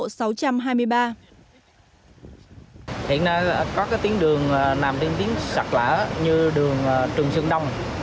hiện nay có các tuyến đường nằm trên tuyến sạt lở như đường trường sơn đông